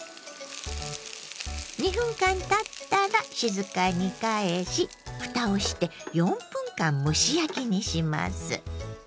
２分間たったら静かに返しふたをして４分間蒸し焼きにします。